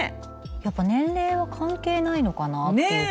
やっぱ年齢は関係ないのかなっていうか。